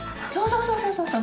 そうそうそうそう！